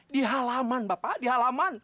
di halaman bapak di halaman